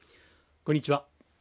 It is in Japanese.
こんにちは。